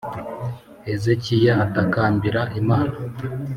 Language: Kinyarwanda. Hezekiya atakambira Imana